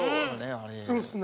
そうですね。